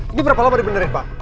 ini berapa lama dibenerin pak